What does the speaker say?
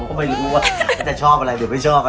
ก็ไม่รู้ว่าเขาจะชอบอะไรหรือไม่ชอบ